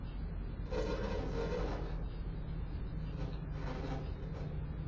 目前她已接受了完整的治疗并且成立癌症基金会。